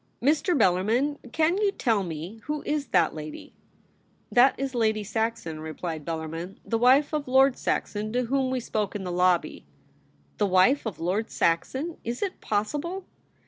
' Mr. Bellarmin, can you tell me — who is that lady ?'* That is Lady Saxon,' replied Bellarmin, * the wife of Lord Saxon, to whom we spoke in the lobby.' ' The wife of Lord Saxon ! Is it possible